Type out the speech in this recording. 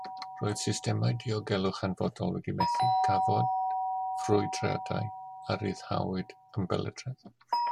Roedd systemau diogelwch hanfodol wedi methu, cafwyd ffrwydradau a rhyddhawyd ymbelydredd.